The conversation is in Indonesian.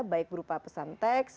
baik berupa pesan teks